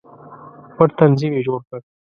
پټ تنظیم یې جوړ کړ.